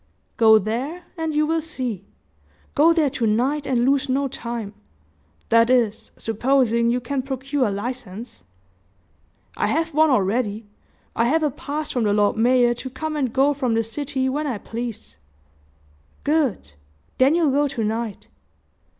"Go there, and you will see. Go there to night, and lose no time that is, supposing you can procure a license." "I have one already. I have a pass from the Lord Mayor to come and go from the city when I please." "Good! Then you'll go to night."